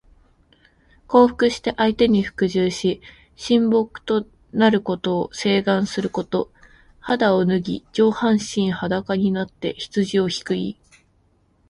降伏して相手に服従し、臣僕となることを請願すること。肌を脱ぎ、上半身裸になって羊をひく意。